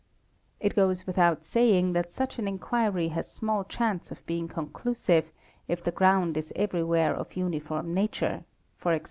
It goes without saying that such an inquiry has small chance of being conclusive if the ground is everywhere of uniform nature, e.g.